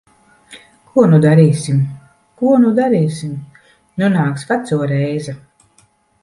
Ko nu darīsim? Ko nu darīsim? Nu nāks veco reize.